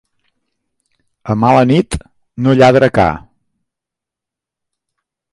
A mala nit, no lladra ca.